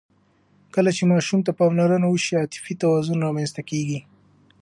کله چې ماشوم ته پاملرنه وشي، عاطفي توازن رامنځته کېږي.